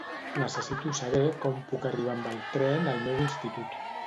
Necessito saber com puc arribar amb el tren al meu institut.